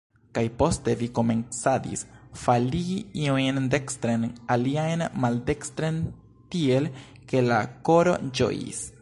Kaj poste vi komencadis faligi iujn dekstren, aliajn maldekstren, tiel ke la koro ĝojis.